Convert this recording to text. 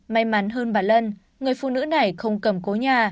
may mắn hơn bà lân người phụ nữ này không cầm cố nhà